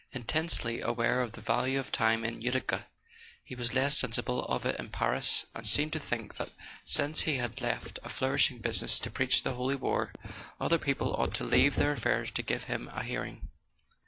Intensely aware of the value of time in Utica, he was less sensible of it in Paris, and seemed to think that, since he had left a flourishing business to preach the Holy War, other people ought to leave their affairs to give him a hearing.